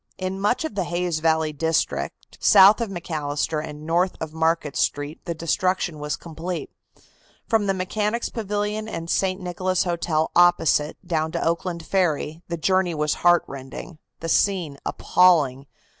In much of the Hayes Valley district, south of McAllister and north of Market Street, the destruction was complete. From the Mechanics' Pavilion and St. Nicholas Hotel opposite down to Oakland Ferry the journey was heartrending, the scene appalling.